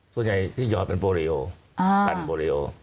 ส่วนใหญ่ที่ยอดเป็นโปรลีโอกันโบริโอ